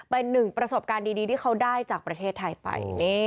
เป็นหนึ่งประสบการณ์ดีที่เขาได้จากประเทศไทยไป